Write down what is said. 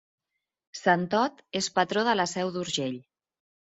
Sant Ot és patró de la Seu d'Urgell.